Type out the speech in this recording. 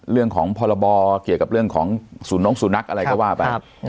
เรื่องของพรบเกี่ยวกับเรื่องของสุนองค์สุนักอะไรก็ว่าไปครับ